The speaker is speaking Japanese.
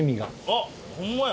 あっホンマや！